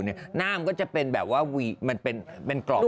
หน้ามันเป็นวีเหมือนเป็นกรอกหน้า